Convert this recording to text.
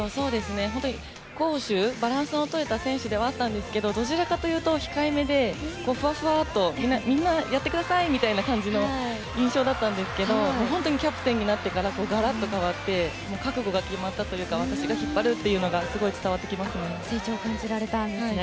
攻守バランスの取れた選手ではあったんですけどもどちらかというと控えめでふわふわっとみんなやってくださいみたいな印象だったんですけど本当にキャプテンになってからガラッと変わって覚悟が決まったというか私が引っ張るというのが成長が感じられたと。